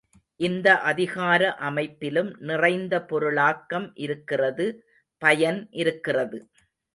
இந்த அதிகார அமைப்பிலும் நிறைந்த பொருளாக்கம் இருக்கிறது பயன் இருக்கிறது.